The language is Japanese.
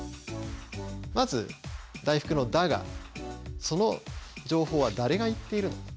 まず「だいふく」の「だ」がその情報は誰が言っているの？